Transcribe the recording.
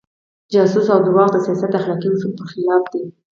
جاسوسي او درواغ د سیاست اخلاقي اصولو پر خلاف دي.